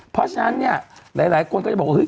เพราะฉะนั้นเนี่ยหลายคนก็จะบอกว่าเฮ